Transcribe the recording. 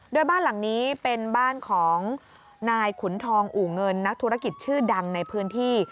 โดยบ้านหลังนี้เป็นบ้านของนายขุนทองอู่เงินนักธุรกิจชื่อดังในพื้นที่